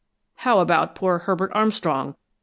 'How about poor Herbert Armstrong?